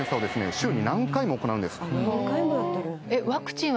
週に何回も行うんです。